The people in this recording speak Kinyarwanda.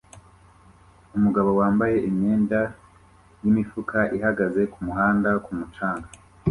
Umugabo wambaye imyenda yimifuka ihagaze kumuhanda ku mucanga